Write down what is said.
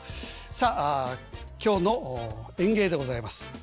さあ今日の演芸でございます。